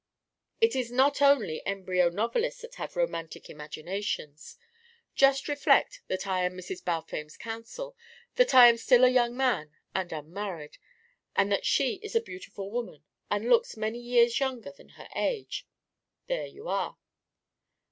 It is not only embryo novelists that have romantic imaginations. Just reflect that I am Mrs. Balfame's counsel, that I am still a young man and unmarried, and that she is a beautiful woman and looks many years younger than her age. There you are."